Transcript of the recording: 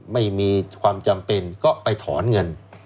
ไม่มีความจำเป็นก็ไปถอนเงิน